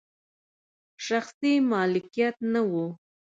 شخصي مالکیت نه و.